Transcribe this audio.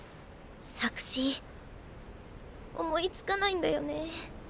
作詞思いつかないんだよね。